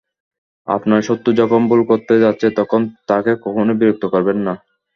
আপনার শত্রু যখন ভুল করতে যাচ্ছে, তখন তাকে কখনোই বিরক্ত করবেন না।